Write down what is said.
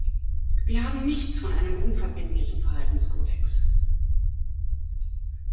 Wir haben nichts von einem unverbindlichen Verhaltenskodex.